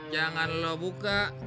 jangan lo buka